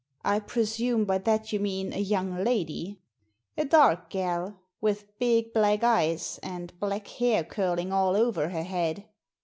" I presume by that you mean a young lady ?" "A dark gal, with big black eyes, and black hair curling all over her head.